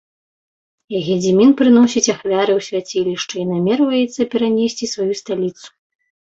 Гедзімін прыносіць ахвяры ў свяцілішчы і намерваецца перанесці сваю сталіцу.